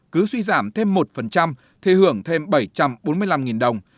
cứ suy giảm thêm một thì hưởng thêm bảy trăm bốn mươi năm đồng